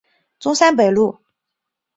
中山北路